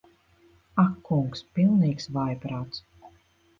Ak kungs. Pilnīgs vājprāts.